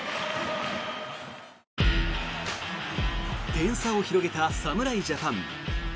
点差を広げた侍ジャパン。